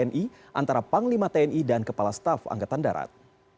tni antara panglima tni dan kepala staf angkatan darat